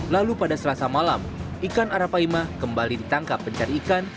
lalu pada selasa malam ikan arapaima kembali ditangkap pencari ikan